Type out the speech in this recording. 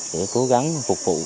để cố gắng phục vụ